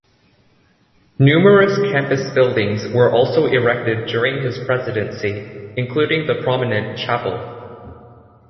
Numerous campus buildings were also erected during his presidency, including the prominent Chapel.